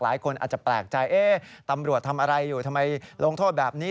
หลายคนอาจจะแปลกใจเอ๊ะตำรวจทำอะไรอยู่ทำไมลงโทษแบบนี้